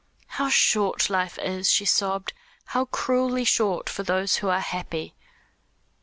"How short life is," she sobbed; "how cruelly short for those who are happy!"